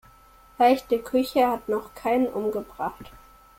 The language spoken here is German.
Leichte Küche hat noch keinen umgebracht.